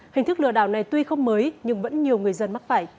hình thức lừa đảo này tuy không mới nhưng vẫn nhiều người dân mắc phải